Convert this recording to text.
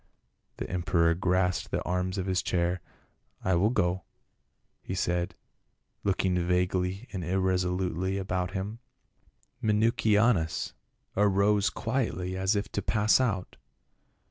The emperor grasped the arms of his chair, " I will go," he said, looking vaguely and irresolutely about him. Minucianus arose quietly as if to pass out.